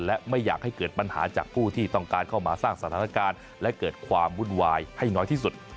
และไม่อยากให้เกิดปัญหาจากผู้ที่ต้องการเข้ามาสร้างสถานการณ์และเกิดความวุ่นวายให้น้อยที่สุด